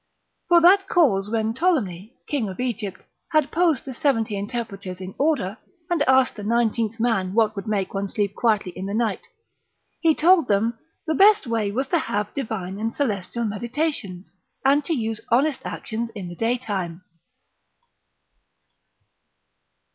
For that cause when Ptolemy, king of Egypt, had posed the seventy interpreters in order, and asked the nineteenth man what would make one sleep quietly in the night, he told him, the best way was to have divine and celestial meditations, and to use honest actions in the daytime.